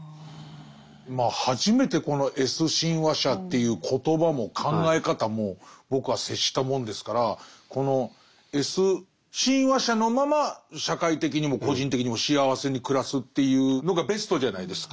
まあ初めてこのＳ親和者っていう言葉も考え方も僕は接したもんですからこのＳ親和者のまま社会的にも個人的にも幸せに暮らすというのがベストじゃないですか。